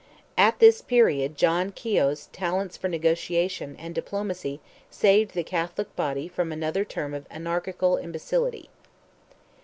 At this period John Keogh's talents for negotiation and diplomacy saved the Catholic body from another term of anarchical imbecility.